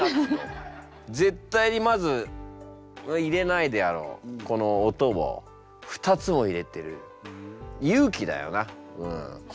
絶対にまず入れないであろうこの音を２つも入れてる勇気！？